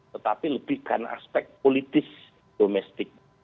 tetapi lebihkan aspek politis domestik